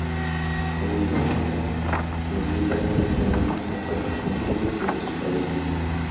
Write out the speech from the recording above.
Comenzó a montar a los diez años, ganando importantes concursos en su país.